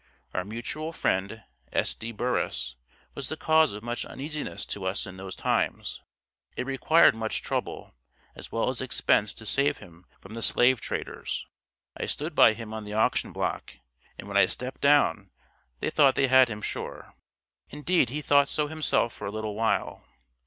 Our mutual friend, S.D. Burris, was the cause of much uneasiness to us in those times. It required much trouble, as well as expense to save him from the slave traders. I stood by him on the auction block; and when I stepped down, they thought they had him sure. Indeed he thought so himself for a little while.